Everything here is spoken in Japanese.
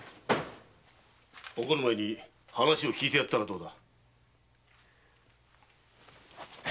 怒る前に話を聞いてやったらどうだ。